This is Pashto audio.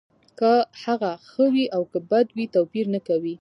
که هغه ښه وي او که بد وي توپیر نه کوي